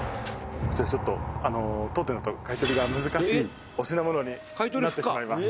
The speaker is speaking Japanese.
「こちらちょっとあの当店だと買い取りが難しいお品物になってしまいます」